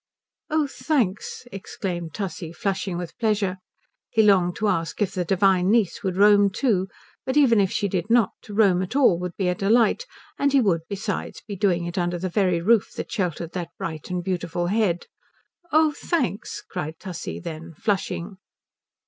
"Oh thanks" exclaimed Tussie, flushing with pleasure. He longed to ask if the divine niece would roam too, but even if she did not, to roam at all would be a delight, and he would besides be doing it under the very roof that sheltered that bright and beautiful head. "Oh thanks," cried Tussie, then, flushing.